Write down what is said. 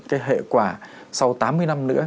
cái hệ quả sau tám mươi năm nữa